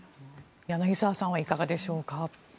柳澤さんはいかがでしょうか？